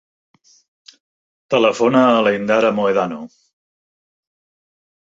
Telefona a l'Indara Mohedano.